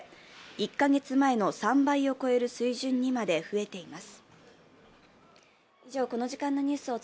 １カ月前の３倍を超える水準にまで増えています。